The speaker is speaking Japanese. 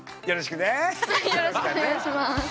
よろしくお願いします。